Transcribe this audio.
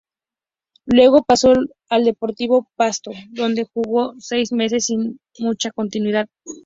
Luego pasó al Deportivo Pasto, donde jugó seis meses sin mucha continuidad.